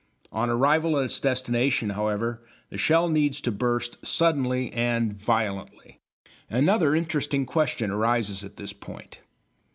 On arrival at its destination, however, the shell needs to burst suddenly and violently. Another interesting question arises at this point.